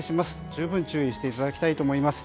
十分注意していただきたいと思います。